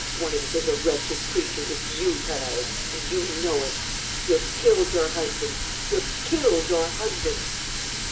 Ah, if one of us is a wretched creature, it's you, Thérèse, and you know it! You have killed your husband! You have killed your husband!"